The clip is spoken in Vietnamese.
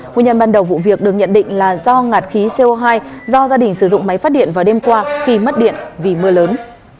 nguyên nhân ban đầu vụ việc được nhận định là do ngạt khí co hai do gia đình sử dụng máy phát điện vào đêm qua khi mất điện vì mưa lớn